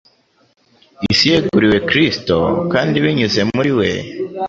Isi yeguriwe Kristo kandi, binyuze muri We,